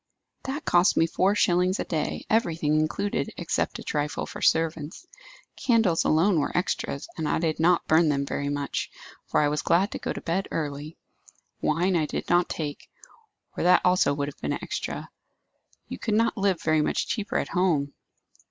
"That cost me four shillings a day, everything included, except a trifle for servants. Candles alone were extras, and I did not burn them very much, for I was glad to go to bed early. Wine I do not take, or that also would have been an extra. You could not live very much cheaper at home."